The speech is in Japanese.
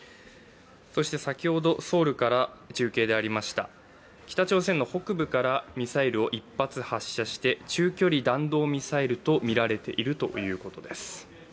そして先ほどソウルから中継でありました、北朝鮮の北部からミサイルを１発発射して中距離弾道ミサイルとみられているということです。